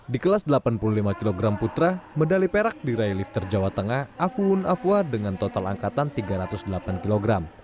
di kelas delapan puluh lima kg putra medali perak diraih lifter jawa tengah afuhun afua dengan total angkatan tiga ratus delapan kg